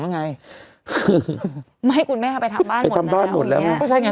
ไม่คุณแม่ค่ะไปทำบ้านหมดแล้ว